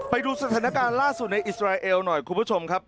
ไปดูสถานการณ์ล่าสุดในอิสราเอลหน่อยคุณผู้ชมครับ